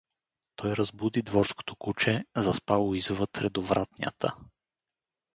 Той разбуди дворското куче, заспало извътре до вратнята.